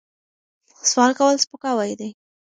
سوال کول سپکاوی دی.